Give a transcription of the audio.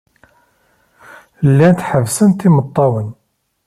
Llant ḥebbsent imeṭṭawen.